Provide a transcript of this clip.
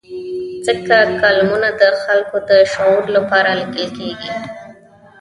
ځکه کالمونه د خلکو د شعور لپاره لیکل کېږي.